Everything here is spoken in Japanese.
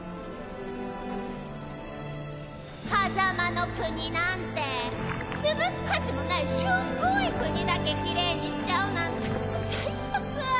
狭間の国なんて潰す価値もないしょっぼい国だけきれいにしちゃうなんて最悪！